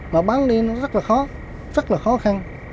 mà bán đi nó rất là khó rất là khó khăn